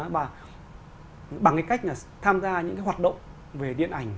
và bằng cái cách là tham gia những cái hoạt động về điện ảnh